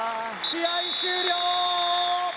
試合終了ー！